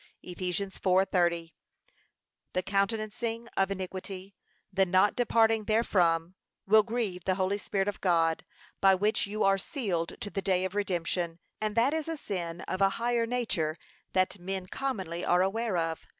(Eph. 4:30) The countenancing of iniquity, the not departing therefrom, will grieve the Holy Spirit of God, by which you 'are sealed to the day of redemption;' and that is a sin of a higher nature that men commonly are aware of.